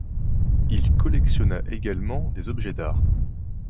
Il collectionna également des objets d'art.